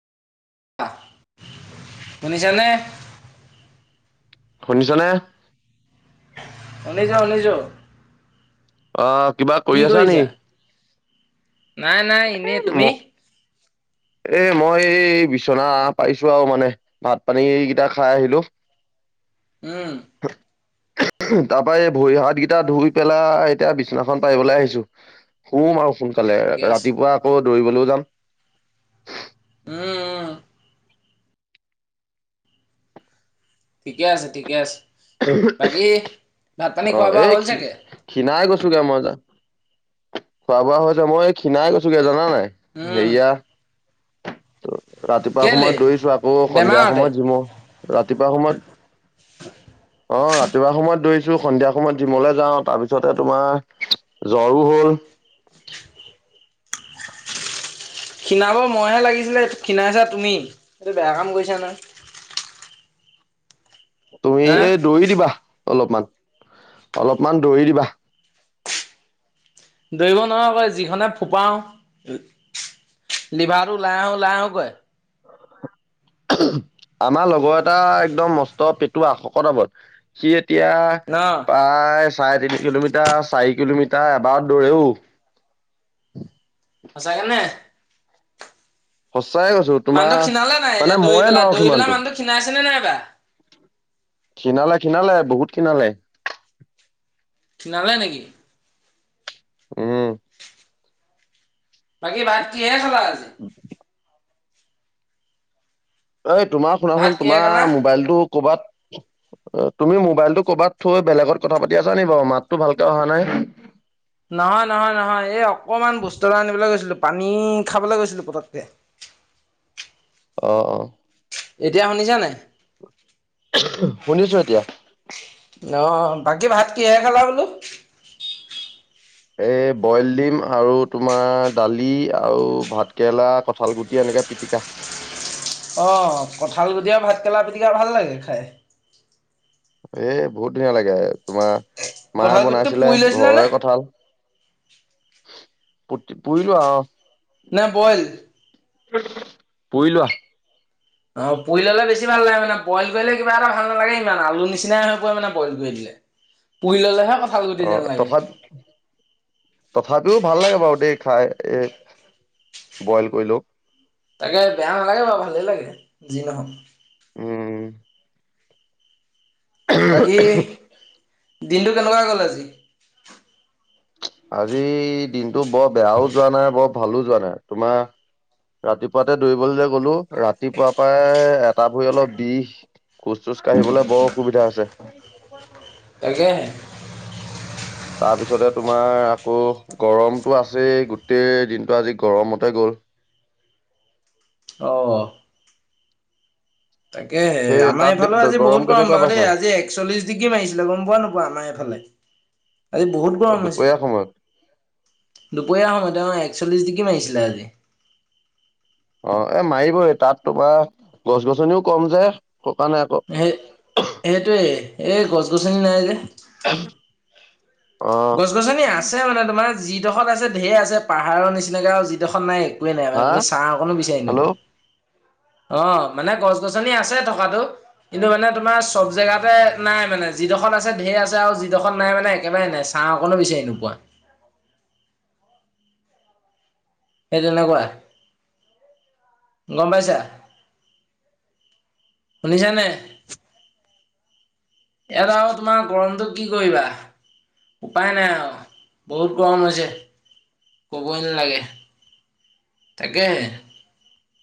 শুনিছানে? শুনিছ নে? শুনিছোঁ, শুনিছোঁ। অ', কিবা কৰি আছা নি? নাই-নাই এনেই, ম তুমি? এ, মই, এই বিচনা পাৰিছো আৰু মানে, ভাত-পানীকেইটা খাই আহিলো। উম। তাৰ পৰা এই ভৰি-হাত কেইটা ধুই পেলাই, এতিয়া বিছনাখন পাৰিবলৈ আহিছো। শুম আৰু সোনকালে, ঠিকে আছে, ৰাতিপুৱা আকৌ দৌৰিবলৈও যাম। উম, উম। ঠিকে আছে, ঠিকে আছে। বাকী, ভাত-পানী খোৱা-বোৱা হ'ল চাগে! খিণাই গৈছোগে মই, খোৱা-বোৱা হৈছে, মই হেই খীণাই গৈছোগে জানা নাই! উম সেইয়া ৰাতিপুৱা কেলে? সময়ত দৌৰিছো, আকৌ সন্ধিয়া বেমাৰতে, সময়ত জিম, ৰাতিপুৱা সময়ত [inaudible] ৰাতিপুৱা দৌৰিছো, সন্ধিয়া সময়ত জিমলৈ যাও। তাৰপিছতে তোমাৰ জ্বৰো হ'ল। খীণাব মইহে লাগিছিলে, খীণাইছা তুমি, এইটো বেয়া কাম কৰিছা নহয়। তুমি হা এই দৌৰি দিবা অলপমান, অলপমান দৌৰি দিবা। দৌৰিব নোৱাৰো আকৌ যিখনহে ফোপাও। লিভাৰটো ওলাই আহো, ওলাই আহো কৰে। আমাৰ লগৰ এটা একদম মস্ত পেটুৱা, শকত আবত। সি এতিয়া ন। প্ৰায় চাৰে তিনি কিলোমিটাৰ, চাৰি কিলোমিটাৰ এবাৰত দৌৰে অ। সঁচাকেনে! সঁচাকে কৈছো, তোমাৰ, মানুহটো মানে মইয়ে নোৱাৰো সিমানটো। ক্ষীনাইছেনে নাই বা! ক্ষীণালে, ক্ষীণালে, বহুত ক্ষীণালে। ক্ষীণালে নেকি? উম। বাকী, ভাত কিহেৰে খালা? [inaudible] এই তোমাৰ ভাত শুনাচোন, কিহেৰে খালা? তোমাৰ মোবাইলটো ক'ৰবাত এ, তুমি মোবাইলতটো ক'বাত থৈ, বেলেগত কথা পাতি আছা নেকি বাৰু, মাতটো ভালকে অহা নাই। নহয়, নহয়, নহয়, এই অকমান বস্তু এটা আনিবলৈ গৈছিলো, পানী খাবলৈ গৈছিলো পতককে। [inaudible] অ, অ। এতিয়া শুনিছা নাই? শুনিছোঁ এতিয়া। অ, বাকী, ভাত কিহেৰে খালা বোলো? এ, বইল ডিম আৰু তোমাৰ দালি আৰু ভাত কেৰেলা, কঠাল গুটি এনেকে পিটিকা। অ, কঁঠালগুটি আৰু ভাতকৰেলা পিটিকা ভাল লাগে, খাই। এ, বহুত ধুনীয়া লাগে। তোমাৰ মায়ে কঁঠাল গুটিটো বনাইছিলে, পুৰি লৈছিলা নে? ঘৰৰে কঁঠাল। গুটি পুৰিলো আৰু। নে বইল? পুৰি লোৱা। অ, পুৰি ল'লে বেছি ভাল লাগে, মানে বইল কৰিলে কিবা এটা ভাল নালাগে ইমান আৰু, আলু নিচিনাই হৈ পৰে মানে বইল কৰি দিলে। পুৰি ল'লেহে খা অ', তথা তথাপিও ভাল লাগে বাৰু দেই খাই, এ, বইল কৰিলেওঁ। তাকে বেয়া নালাগে বাৰু ভালেই লাগে যি নহওঁক। উম। বাকী দিনটো কেনেকুৱা গ'ল আজি? আজি দিনটো বৰ বেয়াও যোৱা নাই বৰ ভালো যোৱা নাই। তোমাৰ? ৰাতিপুৱাতে দৌৰিবলৈ যে গলো ৰাতিপুৱা পৰাই এটা ভৰি অলপ বিষ। খোজ চোজ কাঢ়িবলৈ বৰ অসুবিধা হৈছে। তাকেহে তাৰপিছতে তোমাৰ আকৌ গৰমটো আছেই গোটেই দিনটো আজি গৰমতে গ'ল। অহ। তাকেহে সেই আমাৰ তাত এইফালেও দে- আজি বহুত গৰম কেনেকুৱা বাৰু দেই পাইছা আজি একচল্লিশ ডিগ্ৰী মাৰিছিলে গম পোৱা নোপোৱা আমাৰ এইফালে। আজি বহুত গৰম হৈছে। দুপৰীয়া সময়ত? দুপৰীয়া সময়ত মোতামোতি এক চল্লিছ ডিগ্ৰী মাৰিছিলে আজি। অ এ মাৰিবই তাত তোমাৰ গছ -গছনিও কম যে সেইটো কাৰণে আকৌ। সেই সেইটোৱেই এই গছ গছনি নাই যে। অহ। গছ গছনি আছে মানে তোমাৰ যি ডখৰত আছে ধেই আছে, পাহাৰৰ নিচিনাকে আৰু যিডখৰত নাই একোৱে নাই মানে হা তুমি চাহ অকণো বিচাৰি হেল্ল' নোপোৱা। অ মানে গছ -গছনি আছে থকাটো। কিন্তু মানে তোমাৰ চব জেগাতে নাই মানে যিডখৰত আছে ঢেৰ আছে আৰু যিডখৰত নাই মানে একেবাৰে নাই। ছাঁ অকণো বিচাৰি নোপোৱা। এই তেনেকুৱা গম পাইছা। শুনিছা নাই? ইয়াত আকৌ তোমাৰ গৰমটো কি কৰিবা। উপায় নাই আৰু বহুত গৰম হৈছে ক'বই নালাগে। তাকেহে।